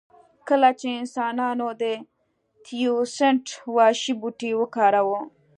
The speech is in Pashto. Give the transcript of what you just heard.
کله چې انسانانو د تیوسینټ وحشي بوټی وکاراوه